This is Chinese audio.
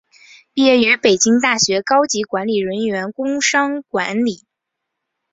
毕业于北京大学高级管理人员工商管理。